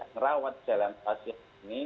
merawat jalan pasien ini